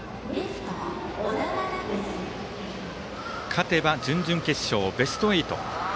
勝てば準々決勝、ベスト８。